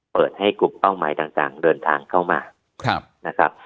เปิดให้กลุ่มเป้าหมายต่างเดินทางเข้ามานะครับ